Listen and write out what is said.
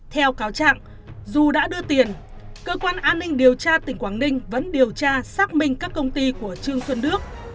theo cáo trạng dù đã đưa tiền cơ quan an ninh điều tra tỉnh quảng ninh vẫn điều tra xác minh các công ty của trương xuân đức